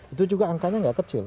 itu juga angkanya nggak kecil